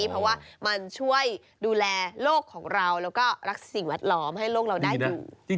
เพราะว่ามันช่วยดูแลโลกของเราแล้วก็รักสิ่งแวดล้อมให้โลกเราได้อยู่